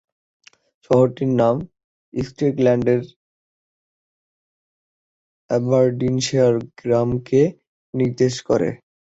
শহরটির নাম স্কটল্যান্ডের অ্যাবারডিনশায়ার গ্রামকে নির্দেশ করে।